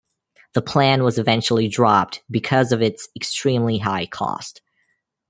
The plan was eventually dropped because of its extremely high cost.